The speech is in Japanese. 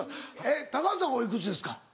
高畑さんお幾つですか？